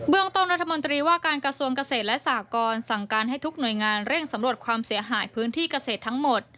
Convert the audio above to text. เรื่องต้นรัฐมนตรีว่าการกระทรวงเกษตรและสหกรสั่งการให้ทุกหน่วยงานเร่งสำรวจความเสียหายพื้นที่เกษตรทั้งหมด